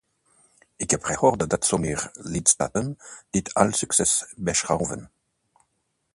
Ik heb gehoord dat sommige lidstaten dit als succes beschouwen.